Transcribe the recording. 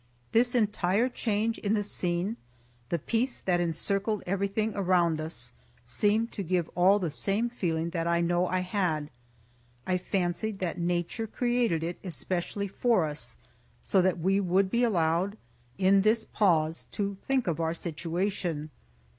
This entire change in the scene, the peace that encircled everything around us, seemed to give all the same feeling that I know I had. I fancied that nature created it especially for us, so that we would be allowed, in this pause, to think of our situation.